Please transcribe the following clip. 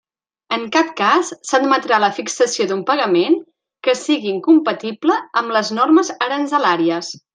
En cap cas s'admetrà la fixació d'un pagament que sigui incompatible amb les normes aranzelàries.